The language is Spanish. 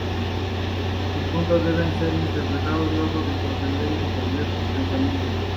Los puntos deben ser interpretados luego de aprender y entender sus pensamientos.